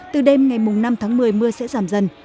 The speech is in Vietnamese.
từ đêm ngày năm tháng một mươi mưa sẽ giảm dần